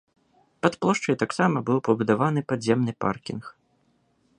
Пад плошчай таксама быў пабудаваны падземны паркінг.